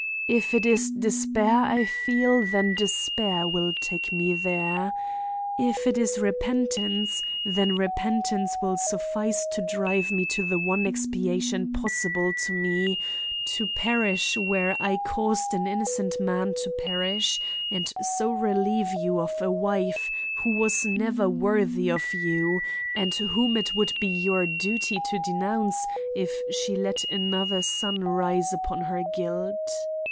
If it is despair I feel, then despair will take me there. If it is repentance, then repentance will suffice to drive me to the one expiation possible to me—to perish where I caused an innocent man to perish, and so relieve you of a wife who was never worthy of you and whom it would be your duty to denounce if she let another sun rise upon her guilt.